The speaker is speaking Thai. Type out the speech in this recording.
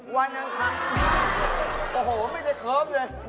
วันนั้นค่ะโอ้โฮไม่ได้เคิมเลย